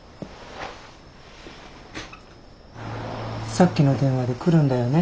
さっきの電話で来るんだよね？